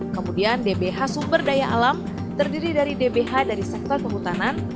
kemudian dbh sumber daya alam terdiri dari dbh dari sektor kehutanan